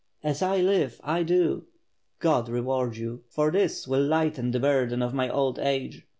"As I live, I do." "God reward you, for this will lighten the burden of my old age.